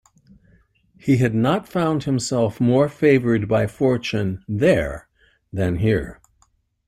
He had not found himself more favoured by fortune there than here.